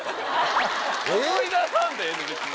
思い出さんでええ別に。